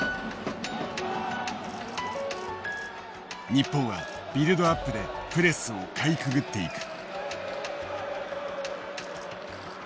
日本はビルドアップでプレスをかいくぐっていく。